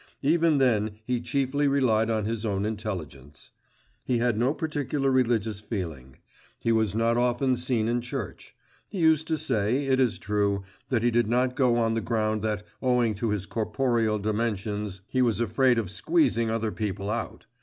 Even then he chiefly relied on his own intelligence. He had no particular religious feeling; he was not often seen in church; he used to say, it is true, that he did not go on the ground that, owing to his corporeal dimensions, he was afraid of squeezing other people out.